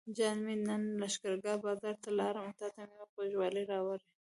جان مې نن لښکرګاه بازار ته لاړم او تاته مې غوږوالۍ راوړې.